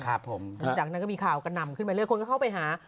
ดังนั้นก็มีข่าวก็นำขึ้นไปเลยคนก็เข้าไปหา